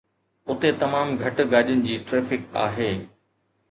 اتي تمام گهٽ گاڏين جي ٽريفڪ آهي